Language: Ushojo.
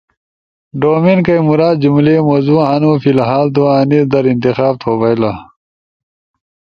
ڈومین کئی مراد جملئی موضوع ہنو، فی الھال تو انیس در انتخاب تھو بئیلا۔